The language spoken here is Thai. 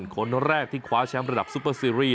คนแรกที่คว้าแชมป์ระดับซุปเปอร์ซีรีส์